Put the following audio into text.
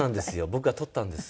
僕が撮ったんです。